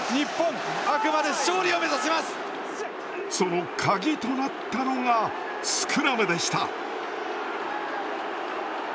そのカギとなったのがスクラムでした。